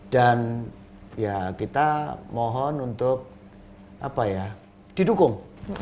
dan ya kita mohon untuk apa ya didukung